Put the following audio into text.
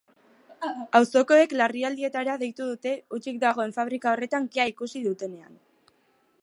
Auzokoek larrialdietara deitu dute hutsik dagoen fabrika horretan kea ikusi dutenean.